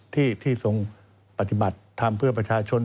ที่ทรงปฏิบัติทำเพื่อประชาชน